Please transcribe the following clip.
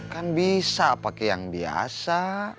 kan bisa pakai yang biasa